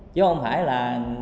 chứ không phải là